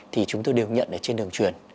thì chúng tôi đều nhận ở trên đường truyền